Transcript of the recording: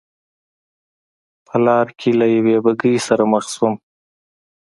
په لار کې له یوې بګۍ سره مخ شوم.